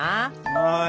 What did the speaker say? はい。